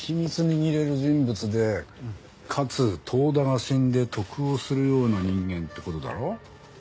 握れる人物でかつ遠田が死んで得をするような人間って事だろ？